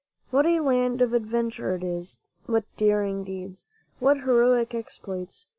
What a land of adventure it is! What daring deeds! What heroic exploits!